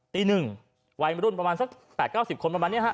ตีหนึ่งวัยมารุ่นประมาณสักแปดเก้าสิบคนประมาณเนี้ยฮะ